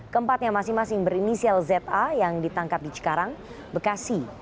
keempatnya masing masing berinisial za yang ditangkap di cikarang bekasi